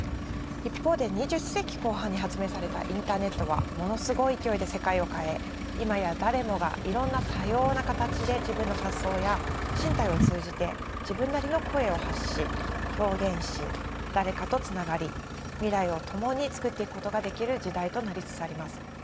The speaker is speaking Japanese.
一方で２０世紀後半に発明されたインターネットはものすごい勢いで世界を変え今や誰もがいろんな多様な形で自分の発想や身体を通じて自分なりの声を発し表現し誰かとつながり未来を共に創っていくことができる時代となりつつあります。